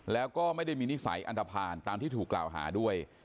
แล้วก็ไม่ได้มีนิสัยอันตภัณฑ์ตามที่ถูกกล่าวหาด้วย